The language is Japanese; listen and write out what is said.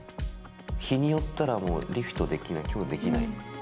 日によったらもう、もうリフトできない、きょうできない。